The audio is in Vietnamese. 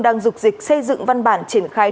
đang dục dịch xây dựng văn bản triển khai